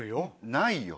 ないよ